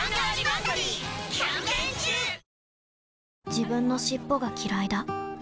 自分の尻尾がきらいだ